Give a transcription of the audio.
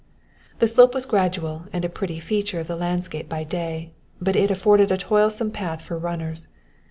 The slope was gradual and a pretty feature of the landscape by day; but it afforded a toilsome path for runners.